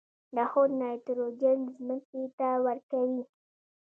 نخود نایتروجن ځمکې ته ورکوي.